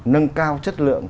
nâng cao chất lượng